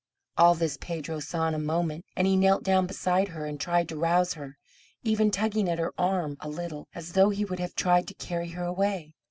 All this Pedro saw in a moment and he knelt down beside her and tried to rouse her, even tugging at her arm a little, as though he would have tried to carry her away.